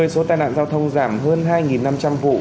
số tai nạn giao thông giảm hơn hai năm trăm linh vụ